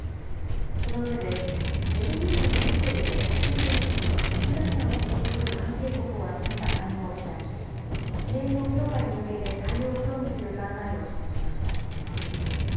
その上で、ベルギーのブリュッセルで１５日に、ウクライナを支援する関係国を集めた会合を開き、支援の強化に向けて対応を協議する考えを示しました。